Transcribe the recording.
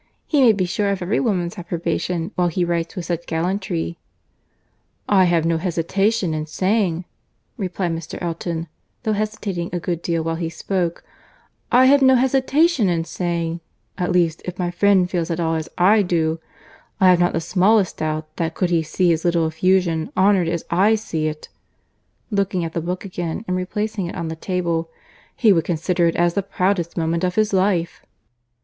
He may be sure of every woman's approbation while he writes with such gallantry." "I have no hesitation in saying," replied Mr. Elton, though hesitating a good deal while he spoke; "I have no hesitation in saying—at least if my friend feels at all as I do—I have not the smallest doubt that, could he see his little effusion honoured as I see it, (looking at the book again, and replacing it on the table), he would consider it as the proudest moment of his life."